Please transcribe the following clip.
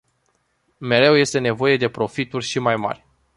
Mereu este nevoie de profituri și mai mari.